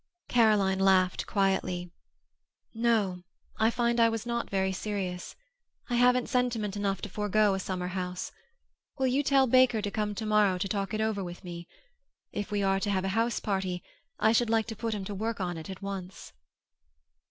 Caroline laughed quietly. "No, I find I was not very serious. I haven't sentiment enough to forego a summer house. Will you tell Baker to come tomorrow to talk it over with me? If we are to have a house party, I should like to put him to work on it at once."